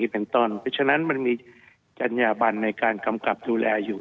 เพราะฉะนั้นมันมีจัญญาบันในการกำกับดูแลอยู่